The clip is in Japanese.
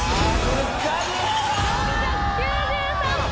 ４９３点。